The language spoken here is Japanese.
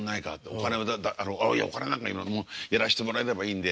お金はいやお金なんかやらしてもらえればいいんでって。